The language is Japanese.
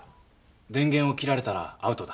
電源を切られたらアウトだ。